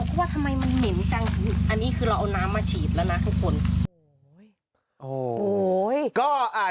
ปุ๊บไปไปให้แมวมันเออเสร็จแล้วแมวมันก็โกบ